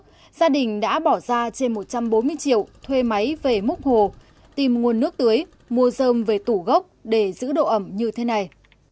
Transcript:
tuy nhiên gia đình đã bỏ ra trên một trăm bốn mươi triệu thuê máy về múc hồ tìm nguồn nước tưới mua dơm về tủ gốc để giữ độ ẩm như thế này